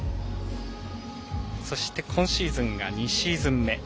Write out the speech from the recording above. そして今シーズンが２シーズン目。